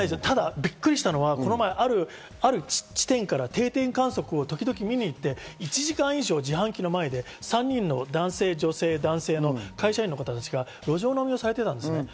ただびっくりしたのは、この前ある地点から定点観測を時々見に行って、１時間以上、自販機の前で３人の男性、女性、男性の会社員の方たちが路上飲みをされていたんです。